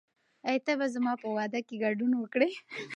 آیا ته به زما په واده کې ګډون وکړې؟